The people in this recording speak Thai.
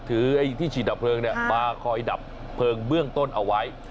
ถือที่ฉีดดับเครื่องมาคอยดับเครื่องเบื้องต้นเอาไว้